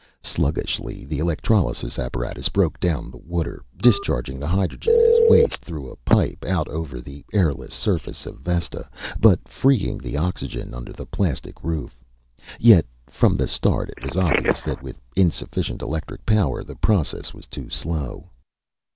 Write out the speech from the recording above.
Sluggishly the electrolysis apparatus broke down the water, discharging the hydrogen as waste through a pipe, out over the airless surface of Vesta but freeing the oxygen under the plastic roof. Yet from the start it was obvious that, with insufficient electric power, the process was too slow.